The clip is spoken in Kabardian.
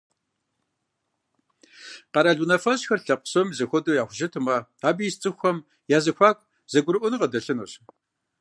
Къэрал унафэщӏхэр лъэпкъ псоми зэхуэдэу яхущытмэ, абы ис цӏыхухэм я зэхуаку зэгурыӀуэныгъэ дэлъынущ.